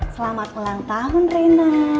selamat ulang tahun rena